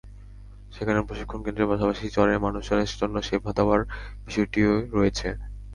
সেখানে প্রশিক্ষণ কেন্দ্রের পাশাপাশি চরের মানুষজনের জন্য সেবা দেওয়ার বিষয়টি রয়েছে।